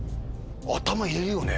入れるよね。